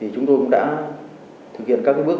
chúng tôi cũng đã thực hiện các bước